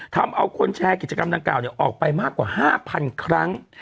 ทำเอาคนแชร์กิจกรรมดังกล่าวออกไปมากกว่า๕๐๐๐ครั้ง